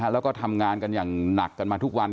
แล้วก็ทำงานกันอย่างหนักกันมาทุกวัน